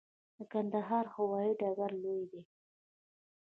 د کندهار هوايي ډګر لوی دی